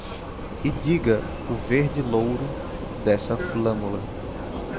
E diga o verde-louro dessa flâmula